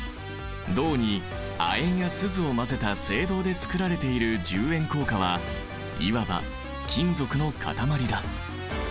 銅に亜鉛やスズを混ぜた青銅でつくられている１０円硬貨はいわば金属の塊だ。